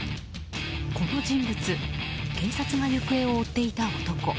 この人物警察が行方を追っていた男。